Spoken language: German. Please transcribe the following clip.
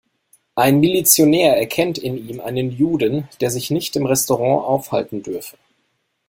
Ein Milizionär erkennt in ihm einen Juden, der sich nicht im Restaurant aufhalten dürfe.